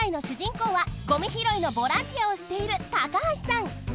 こうはごみひろいのボランティアをしている高橋さん！